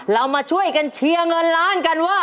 เรามาช่วยกันเชียร์เงินล้านกันว่า